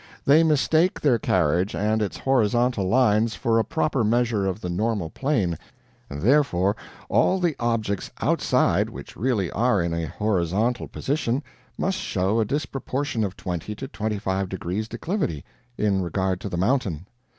They mistake their carriage and its horizontal lines for a proper measure of the normal plain, and therefore all the objects outside which really are in a horizontal position must show a disproportion of twenty to twenty five degrees declivity, in regard to the mountain."